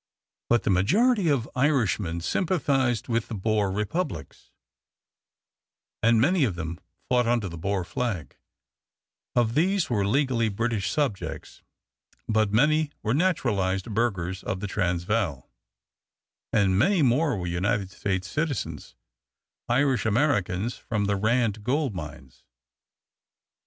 But the majority of Irishmen sympathized with the Boer republics, and many of them fought under the Boer flag, of these were legally British subjects, but many were naturalized burghers of the Transvaal, and many more were United States citizens, Irish Americans from the Rand gold mines.